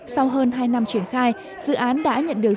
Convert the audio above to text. sau hơn hai năm triển khai dự án đã nhận được